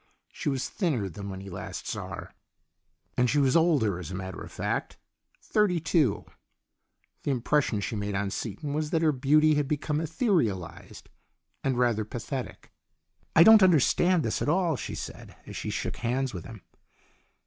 She was thinner than when he last saw her, and she was older as a matter of fact, thirty two. The impression she made on Seaton was that her beauty had become etherealized and rather pathetic. " I don't understand this at all," she said, as she shook hands with him.